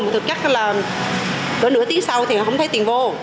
thực chắc là có nửa tí sau thì nó không thấy tiền vô